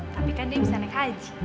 tapi kan dia bisa naik haji